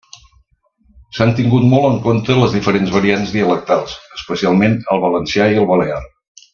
S'han tingut molt en compte les diferents variants dialectals, especialment el valencià i el balear.